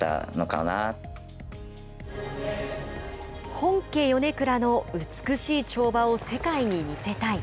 本家ヨネクラの美しい跳馬を世界に見せたい。